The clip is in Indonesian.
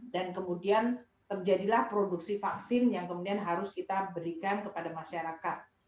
dan kemudian terjadilah produksi vaksin yang kemudian harus kita berikan kepada masyarakat